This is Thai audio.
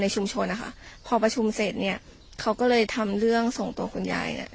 ชุมชนนะคะพอประชุมเสร็จเนี่ยเขาก็เลยทำเรื่องส่งตัวคุณยายเนี่ย